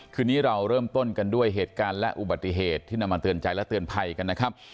คืนนี้เราเริ่มต้นกันด้วยเหตุการณ์และอุบัติเหตุที่นำมาเตือนใจและเตือนภัยกันนะครับ